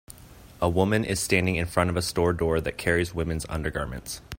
A woman is standing in front of a store door that carries women 's undergarments.